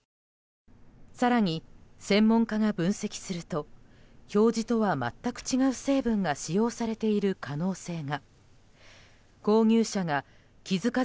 更に専門家が分析すると表示とは全く違う成分が使用されている可能性が。